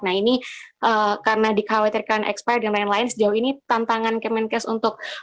nah ini karena dikhawatirkan ekspirasi dan lain lain sejauh ini tantangan ke menkes untuk